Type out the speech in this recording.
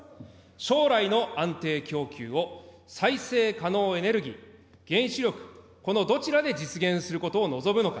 将来の安定供給を再生可能エネルギー、原子力、このどちらで実現することを望むのか。